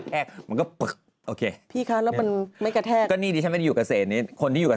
เฮ้ยกร๊อปต้นอยู่เกษตรหรอค่ะ